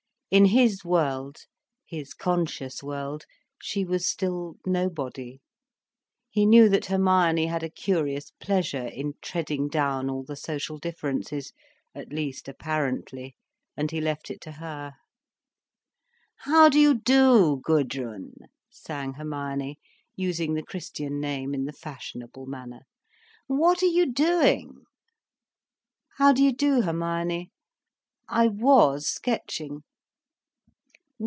In his world, his conscious world, she was still nobody. He knew that Hermione had a curious pleasure in treading down all the social differences, at least apparently, and he left it to her. "How do you do, Gudrun?" sang Hermione, using the Christian name in the fashionable manner. "What are you doing?" "How do you do, Hermione? I was sketching."